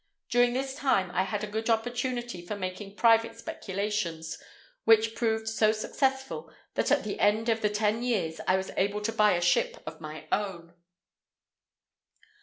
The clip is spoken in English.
During this time, I had a good opportunity for making private speculations, which proved so successful, that at the end of the ten years I was able to buy a ship of my own.